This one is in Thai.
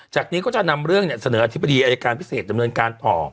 นี้ก็จะนำเรื่องเสนออธิบดีอายการพิเศษดำเนินการต่อ